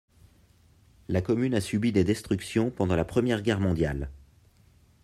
La commune a subi des destructions pendant la Première Guerre mondiale.